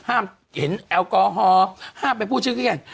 ห้ามเห็นแอลกอฮอล์ห้ามไปพูดชื่อกัน